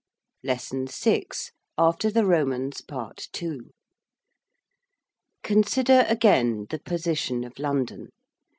AFTER THE ROMANS. PART II. Consider, again, the position of London.